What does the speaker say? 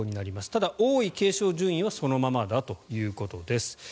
ただ、王位継承順位はそのままだということです。